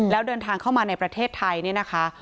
แล้วเดินทางเข้ามาในประเทศไทยเนี่ยนะคะ